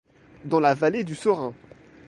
Dans la vallée du Serein.